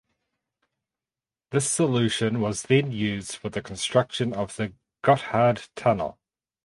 This solution was then used for the construction of the Gotthard Tunnel.